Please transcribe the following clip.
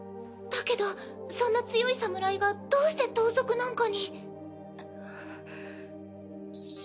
だけどそんな強い侍がどうして盗賊なんかに。